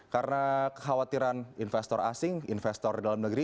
karena kekhawatiran investor asing investor dalam negeri